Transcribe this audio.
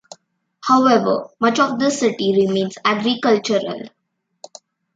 However, much of the city remains agricultural.